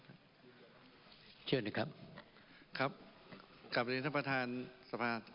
เป็นเฉินไหมครับครับกลับบัญชีทรัพพ์ประธานสภาธุ